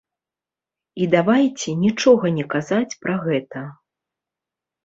І давайце нічога не казаць пра гэта.